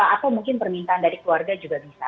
atau mungkin permintaan dari keluarga juga bisa